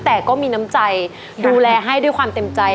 แต่ก็มีน้ำใจดูแลให้ด้วยความเต็มใจ